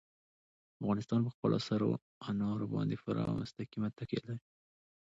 افغانستان په خپلو سرو انارو باندې پوره او مستقیمه تکیه لري.